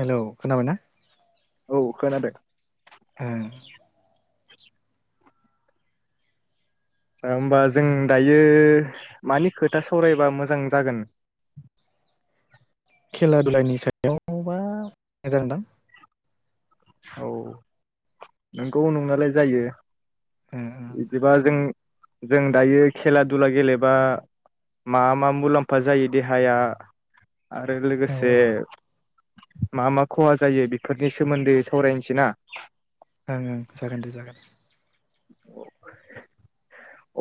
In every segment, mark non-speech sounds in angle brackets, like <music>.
Hello खोनाबाना? औ खोनादो ओ ओमबा जों दायो मानि खोथा सावरायबा मोजां जागोन? खेला दुलानि सायावबा <inaudible> औ नोंगौ नंनालाय जायो ओ औ इदिबा जों जों दायो खेला दुला गेलेबा मा मा मुलाम्फा जायो देहाया? आरो लोगोसे औ ओं मा मा खहा जायो बेफोरनि सोमोन्दै सावरायनसै ना? ओं ओं जागोन दे जागोन ‌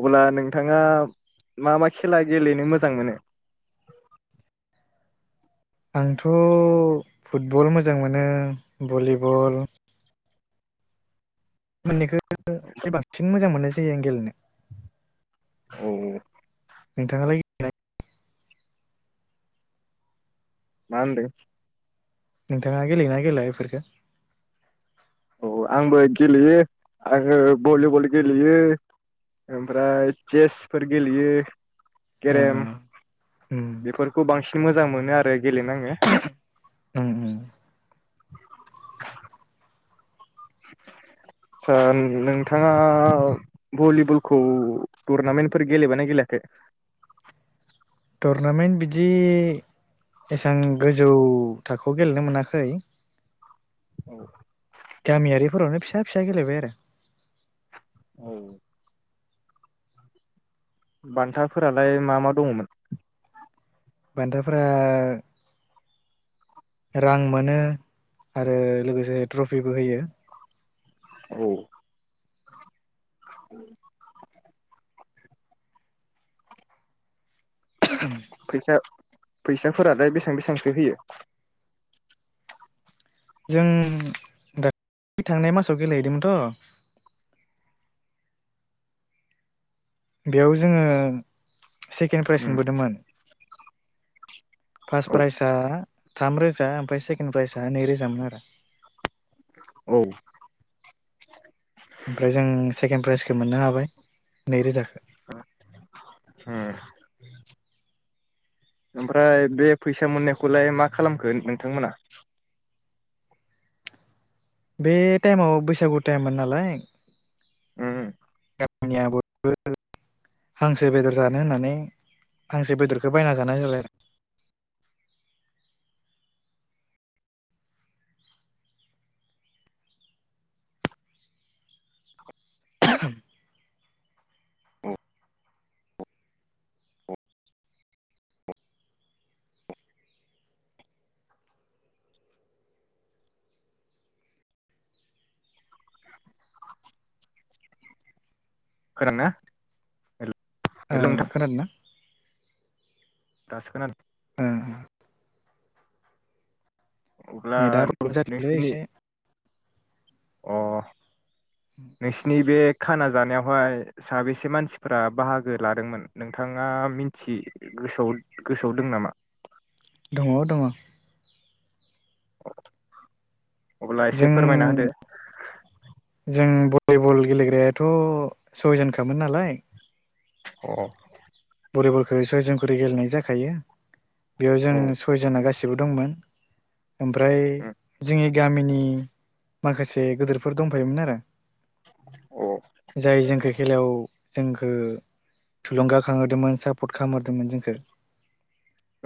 अब्ला नोंथाङा मा मा खेला गेलेनो मोजां मोनो? आंथ' फुटबल मोजां मोनो भलिबल मोननैखो बांसिन मोजां मोननाय जायो आं गेलेनो। औ। नोंथाङालाय <inaudible> मान्दो नोंथाङा गेलेयोना गेलेया इफोरखो। औ आंबो गेलेयो आङो भलिबल गेलेयो ओमफ्राय चेसफोर गेलेयो। ओ ओ गेरेम उम बेफोरखौ बांसि मोजां मोनो आरो गेलेेनो आङो। ओं ओं। <inaudible> आतसा नोंथाङा भलिबलखौ टुरनामेन्टफोर गेलेबाना गेलेयाखै टुरनामेन्ट बिदि एसां गोजौ थाखोआव गेलेनो मोनाखै औ। गामियारिफोरावनो फिसा फिसा गेलेबाय आरो औ। बान्थाफोरालाय मा मा दङमोन। बान्थाफोरा रां मोनो आरो लोगोसे ट्रफिबो होयो। औ। <inaudible> फैसा फैसाफोरालाय बेसेबां बेसेबांसो होयो। जों <unintelligible> थांनाय मासाव गेलेहैदोंमोनथ' बेयाव जोङो। सेकेन्ड प्राइज उम मोनबोदोंमोन। फास प्राइसा थाम रोजा ओमफ्राय सेकेणड प्राइजआ नैरोजामोन आरो औ। ओमफ्राय जों सेकेणड प्राइजखौ मोननो हाबाय। <unintelligible> नै रोजाखो ओमफ्राय बे फैसा मोननायखौलाय मा खालामखो नोंथांमोना। बे टाइमाव बैसागु टाइममोन नालाय उम निया बयबो हांसो बेदर जानो होननानै हांसो बेदरखौ बायना जानाय जालाय खोनादोंना? हेल' नोंथां खोनादोंना? दासो खोनादों। ओ अब्ला नेट प्रब्ल जादोंलै नोंसोरनि एसे। अ नोंसिनि बे खाना जानायावहाय साबेसे मानसिफोरा बाहागो लादोंमोन नोंथाङा मिथि गोसोआव गोसोआव दं नामा? दङ दङ। <inaudible> अब्ला एसे जों फोरमायना होदो । जों भलिबल गेलेग्रायाथ' सयजनखामोन नालाय । औ भलिबलखौ सयजन खरै गेलेनाय जाखायो । बेयाव जों औ सयजना गासिबो दंमोन ओमफ्राय उम जोंनि गामिनि माखासे गिदोरफोर दंफायोमोन आरो अ जाय जोंखौ खेलायाव जोंखौ थुलुंगा खांहदोंमोन सापर्ट खालामहोदोंमोन जोंखौ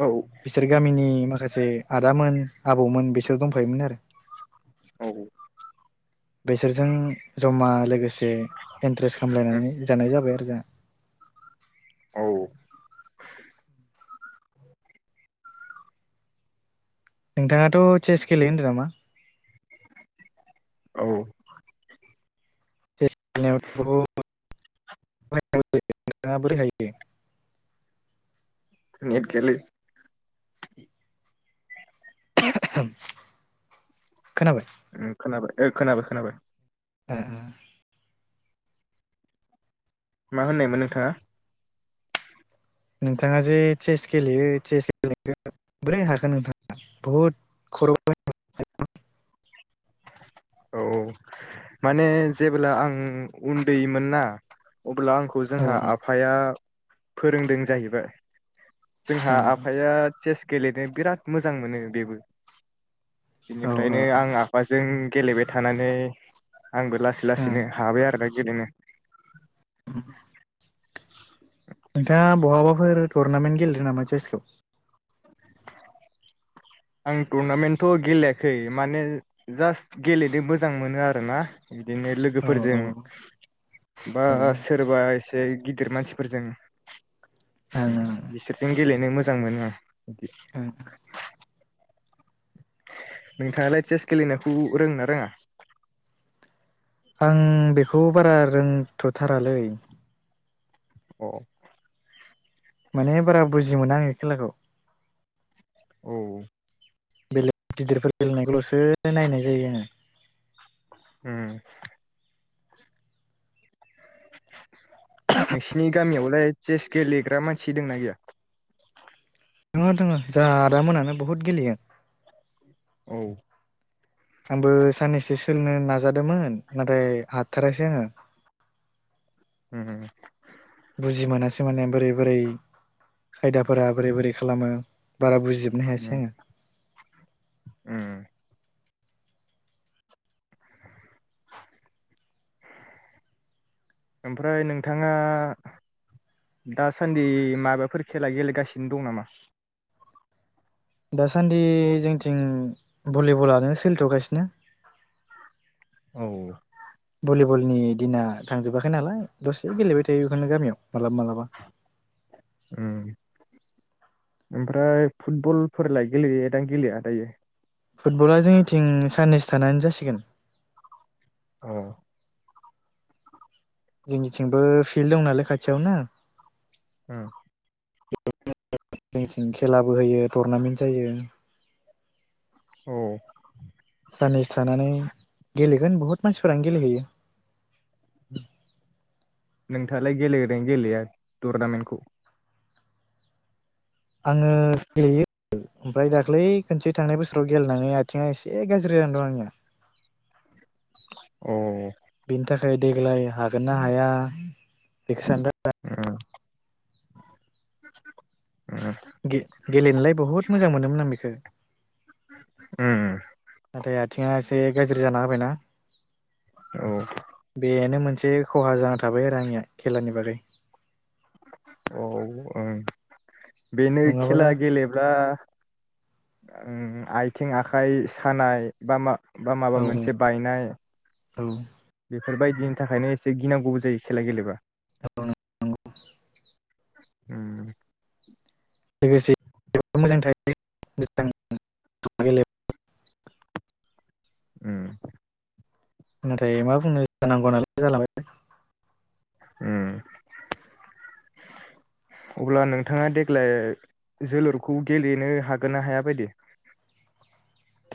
औ बिसोर गामिनि माखासे आदामोन आबौमोन बिसोर दंफायोमोन आरो औ बेसोरजों जमा लोगोसे इन्ट्रेस्ट उम खालामलायनानै जानाय जाबाय आरो जोंहा । औ नोंथाङाथ' चेस गेलेयो होनदों नामा? औ <unintelligible> <unintelligible> नेट गैयालै <unintelligible> ओं खोनाबाय खोनाबाय खोनाबाय दा मा होननायमोन नोंथाङा? नोंथाङा जे चेस गेलेयो चेस गेले बोरै हाखोन नोंथाङा बहुद खर' औ माने जेब्ला आं उन्दैमोन ना अब्ला अब्ला आंखौ औ जोंहा आफाया फोरोंदों जाहैबाय जोंहा आफाया चेस गेलेनो बिराद मोजां मोनो बेबो औ बिनिफ्रायनो औ आं फाजों गेलेबाय थानानै आंबो लासै ओ लासैनो हाबाय आरोना गेलेनो ‌‌। नोंथाङा बहाबाफोर टुरनामेन्ट गेलेदों नामा चेसखौ? आं टुरनामेन्टथ' गेलेयाखै माने जास्ट गेलेनो मोजां मोनो आरोना । बिदिनो औ लोगोफोरजों औ बा ओं सोरबा एसे गिदिर मानसिफोरजों ओं बिसोरजों गेलेनो मोजां मोनो बिदि ओं नोंथाङालाय चेस गेलेनायखौ रोङोना रोङा? आं बेखौ बारा रोंथ'थारालै अ माने बारा बुजि मोना आङो खेलाखौ औ बेलेग गिदिरफोर गेलेनायखौल'सो नायनाय जायो आङो उम नोंसिनि गामियावलाय चेस गेलेग्रा मानसि दोंना गैया दोङो दोङो जोंहा आदा मोनानो बहुद गेलेयो औ आंबो साननैसो सोलोंनो नाजादोंमोन नाथाय हाथथारासै आङो हम बुजि मोनासै माने बोरै बोरै खायदाफोरा बोरै बोरै खालामो बारा बुजि हम उम ओमफ्राय नोंथाङा दासान्दि माबाफोर खेला गेलेगासिनो दं नामा दासान्दि जोंथिं भलिबलानो सोलिथ'गासिनो औ भलिबलनि दिना थांजोबाखै नालाय दसे गेलेबाय थायो बेखौनो गामियाव मालाबा मालाबा ओम ओमफ्राय फुटबलफोरलाय गेलेयोदां गेलेया दायो फुटबला जोंनिथिं साननैसो थानानै जासिगोन अ जोंनिथिंबो फिल्ड दं नालाय खाथियावनो होम खेलाबो होयो टुरनामेन्ट जायो औ साननैसो थानानै गेलेगोन बहुत मानसिफोरानो गेलेहैयो नोंथाङालाय गेलेदों गेलेया टुरनामेन्टखौ आङो गेलेयो ओमफ्राय दाख्लै खनसे थांनाय बोसोराव गेलेनानै आथिंआ एसे गाज्रि जानानै दं आंनिया अ बिनि थाखाय देग्लाय हागोन ना हाया बेखौ सानदों उम <inaudible> गे गेलेनोलाय बहुत मोजां मोनोमोन आं बेखौ उम नाथाय आथिङा एसे गाज्रि जाना होबायना औ बेनो मोनसे एसे खहा जाना थाबाय आरो आंनिया खेलानि बागै औ बेनो नङाबा खेला गेलेब्ला आयथिं आखाइ सानाय बा मा बा औ माबा मोनसे बायनाय औ बेफोरबायदिनि थाखायनो एसे गिनांगौबो जायो खेला गेलेबा औ नंगौ नंगौ उम लोगोसे देहायाबो मोजां थायोे उम नाथाय मा बुंनो जानांगौ नालाय जालांबाय उम अब्ला नोंथाङा देग्लाय जोलुरखौ गेलेनो हागोन ना हाया बायदि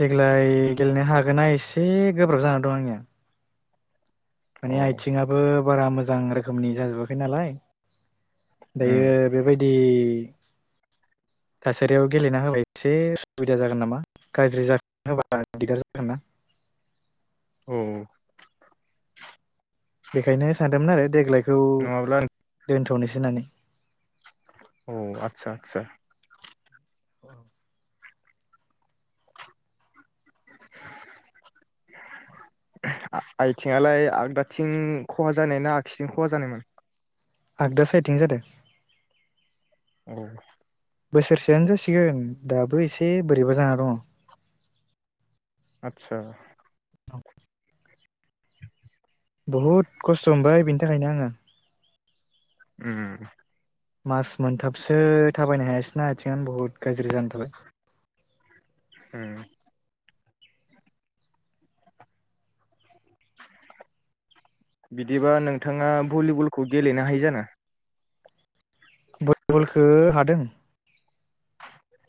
देग्लाय गेलेनो हागोना एसे गोब्राब जानानै दं आंनिया औ माने आथिङाबो बारा मोजां रोखोमनि जाजोबाखै नालाय उम दायो बेबायदि थासारियाव गेलेना होबाय एसे उसुबिदा जागोन नामा गाज्रि जानो होबा दिगदार जागोन ना औ देग्लाय खौ नङाब्ला दोनथ'नोसै बुजिनानै अ आतसा आतसा आइथिङालाय आगदाथिं खहा जानाय ना आगसिथिं खहा जानायमोन आगदा साइटिं जादों औ बोसोरसेयानो जासिगोन दाबो एसे बोरैबा जाना दङ आतसा बहुद खस्थ' मोनबाय बिनि थाखायनो आङो उम मास मोनथाबसो थाबायनो हायासैना आथिङानो बुहुत गाज्रि जाना थाबाय हम बिदिबा नोंथाङा भलिबलखौ गेलेनो हायो जानो बलखो हादों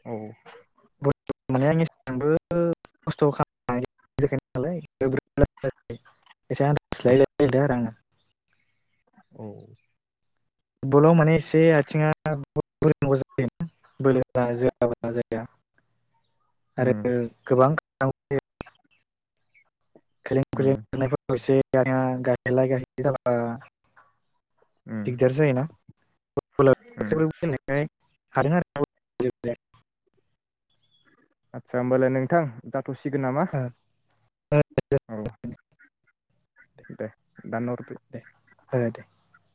औ <unintelligible> औ फुटबलाव माने एसे आथिङा बोलो नांगौ जायो बोलो होना जोआबा जाया उम आरो गोबां औे खायलें उम खुयलें खारनायफोराव एसे <unintelligible> उम दिगदार जायोना उम <unintelligible> हादों आरो ना आदसा होमबालाय नोंथां थ'सिगोन नामा औ दे दे दनना हरदो <unintelligible>